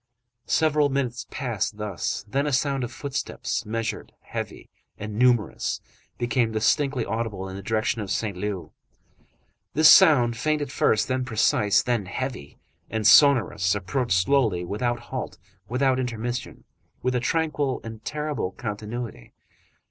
Several minutes passed thus, then a sound of footsteps, measured, heavy, and numerous, became distinctly audible in the direction of Saint Leu. This sound, faint at first, then precise, then heavy and sonorous, approached slowly, without halt, without intermission, with a tranquil and terrible continuity.